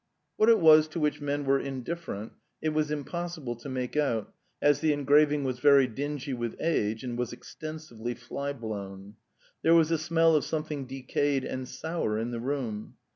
What it was to which men were in different it was impossible to make out, as the en graving was very dingy with age and was extensively flyblown. There was a smell of something decayed and sour in the room.